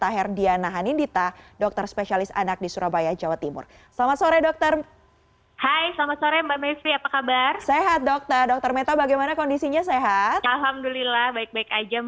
alhamdulillah baik baik aja mbak